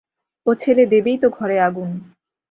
ও ছেলে দেবেই তো ঘরে আগুন।